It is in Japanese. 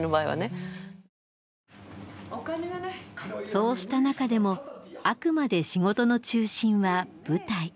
そうした中でもあくまで仕事の中心は舞台。